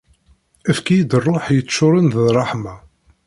Efk-iyi-d ṛṛuḥ yeččuren d ṛṛeḥma.